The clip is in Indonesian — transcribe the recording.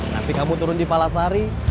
nanti kamu turun di palasari